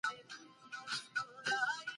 دا کيسې يوازې د خوب لپاره دي.